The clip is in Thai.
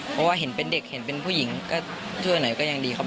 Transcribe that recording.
เพราะว่าเห็นเป็นเด็กเห็นเป็นผู้หญิงก็ช่วยหน่อยก็ยังดีครับ